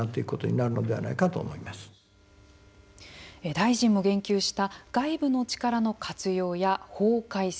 大臣も言及した外部の力の活用や法改正。